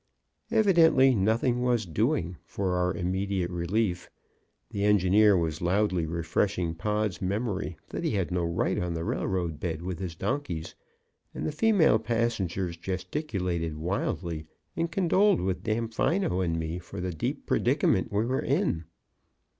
Evidently "nothing was doing" for our immediate relief. The engineer was loudly refreshing Pod's memory that he had no right on the railroad bed with his donkeys, and the female passengers gesticulated wildly and condoled with Damfino and me for the deep predicament we were in.